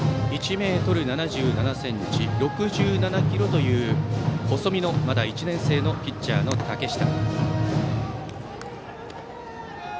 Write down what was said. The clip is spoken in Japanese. １ｍ７７ｃｍ６７ｋｇという細身のまだ１年生のピッチャーの竹下。